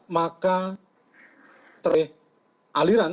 maka terlihat aliran